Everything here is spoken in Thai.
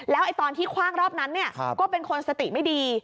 แล้วตอนที่คว่างรอบนั้นก็เป็นคนสติไม่ดี